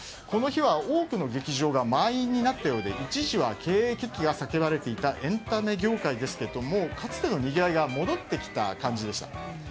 この日は多くの劇場が満員になっていたようで一時は経営危機が叫ばれていたエンタメ業界ですがかつてのにぎわいが戻ってきた感じでした。